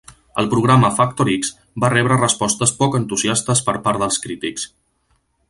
El programa "Factor X" va rebre respostes poc entusiastes per part dels crítics.